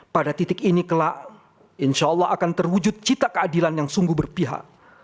pada titik ini insyaallah akan terwujud cita keadilan yang sungguh berpengaruh